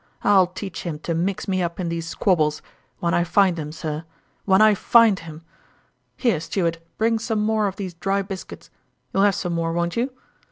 " I'll teach him to mix me up in these squabbles, when I find him, sir when I find him! Here, steward, bring some more of these dry biscuits ; you'll have some more, won't you